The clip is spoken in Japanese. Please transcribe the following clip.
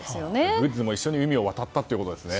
グッズも一緒に海を渡ったということですね。